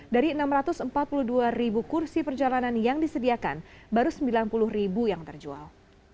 dari enam ratus empat puluh dua ribu kursi perjalanan yang disediakan baru sembilan puluh ribu yang terjual